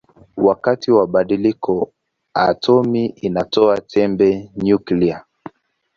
Wakati wa badiliko atomi inatoa chembe nyuklia.